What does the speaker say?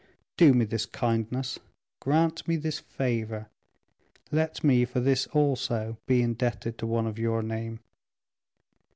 Do me this kindness, grant me this favor; let me, for this also, be indebted to one of your name."